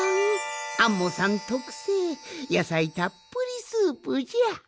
アンモさんとくせいやさいたっぷりスープじゃ。